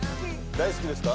大好きですか。